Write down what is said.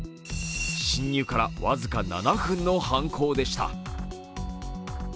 侵入から僅か７分の犯行でした。